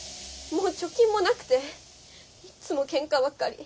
もう貯金もなくていつも喧嘩ばかり。